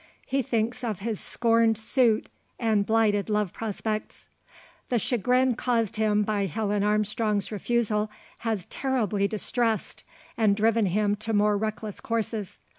He thinks of his scorned suit, and blighted love prospects. The chagrin caused him by Helen Armstrong's refusal has terribly distressed, and driven him to more reckless courses.